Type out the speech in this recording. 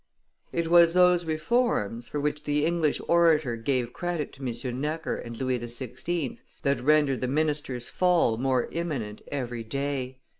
It was those reforms, for which the English orator gave credit to M. Necker and Louis XVI., that rendered the minister's fall more imminent every day.